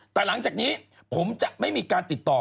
แต่หลังจากนี้ผมจะไม่มีการติดต่อ